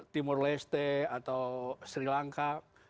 timur leste atau sri lanka